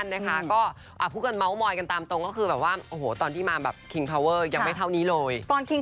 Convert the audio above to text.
เมื่อเช้านี้บอกว่าพี่ตอมวินิสของเราก็ไปด้วย